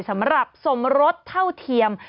สำหรับสมรสเท่าเทียม